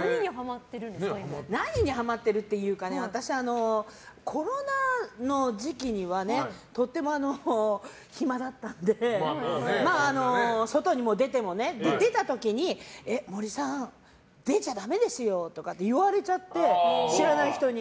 何にハマってるというか私、コロナの時期にはねとても暇だったので外に出た時に森さん、出ちゃだめですよとか言われちゃって、知らない人に。